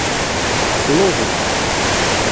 Lluẓen.